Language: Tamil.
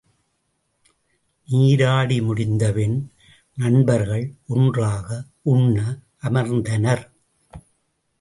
நீராடி முடிந்தபின் நண்பர்கள் ஒன்றாக உண்ண அமர்ந்தனர்.